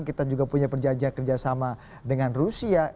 kita juga punya perjanjian kerjasama dengan rusia